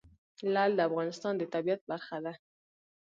لعل د افغانستان د طبیعت برخه ده.